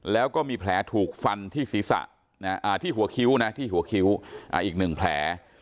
แล้วก็มีแผลถูกฟันที่ศีรษะที่หัวคิ้วนะที่หัวคิ้วอีก๑แผล